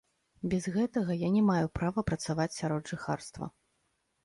Без гэтага я не маю права працаваць сярод жыхарства.